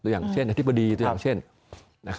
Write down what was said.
อย่างเช่นอธิบดีตัวอย่างเช่น